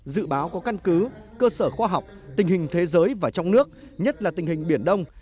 dự báo có căn cứ cơ sở khoa học tình hình thế giới và trong nước nhất là tình hình biển đông